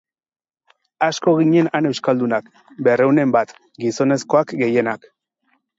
Asko ginen han euskaldunak, berrehunen bat, gizonezkoak gehienak.